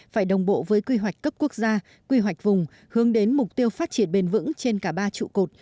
phải đồng bộ với quy hoạch cấp quốc gia quy hoạch vùng hướng đến mục tiêu phát triển bền vững trên cả ba trụ cột